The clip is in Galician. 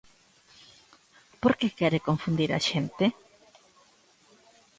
¿Por que quere confundir a xente?